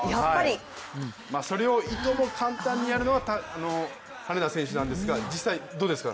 それをいとも簡単にやるのが羽根田選手なんですが、実際、どうですか？